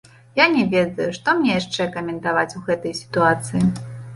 Я не ведаю, што мне яшчэ каментаваць у гэтай сітуацыі.